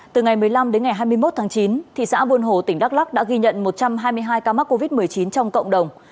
từ ngày một mươi năm đến ngày hai mươi một tháng chín thị xã buôn hồ tỉnh đắk lắc đã ghi nhận một trăm hai mươi hai ca mắc covid một mươi chín trong cộng đồng